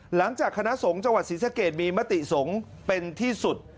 หลังจากคณะสงฆ์จังหวัดศรีสะเกดมีมติสงฆ์เป็นที่สุด